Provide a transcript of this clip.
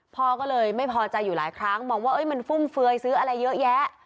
พ่อก็เลยไม่พอใจอยู่หลายครั้งมองว่ามันฟุ่มเฟือยซื้ออะไรเยอะแยะ